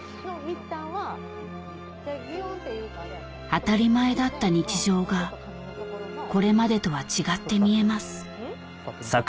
当たり前だった日常がこれまでとは違って見えます